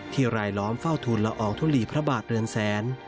รายล้อมเฝ้าทุนละอองทุลีพระบาทเรือนแสน